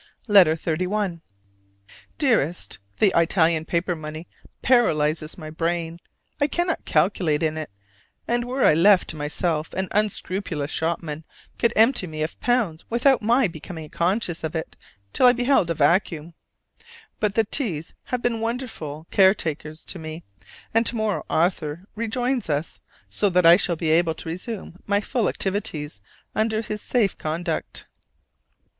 LETTER XXXI. Dearest: The Italian paper money paralyzes my brain: I cannot calculate in it; and were I left to myself an unscrupulous shopman could empty me of pounds without my becoming conscious of it till I beheld vacuum. But the T s have been wonderful caretakers to me: and to morrow Arthur rejoins us, so that I shall be able to resume my full activities under his safe conduct.